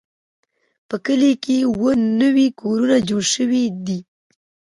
په کلي کې اووه نوي کورونه جوړ شوي دي.